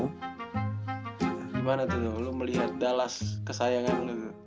gimana tuh lu melihat dallas kesayangan lu